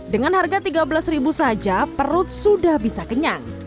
dengan harga tiga belas saja perut sudah bisa kenyang